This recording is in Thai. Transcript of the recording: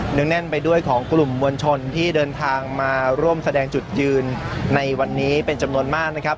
งแน่นไปด้วยของกลุ่มมวลชนที่เดินทางมาร่วมแสดงจุดยืนในวันนี้เป็นจำนวนมากนะครับ